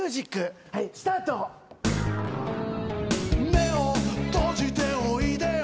「目を閉じておいでよ」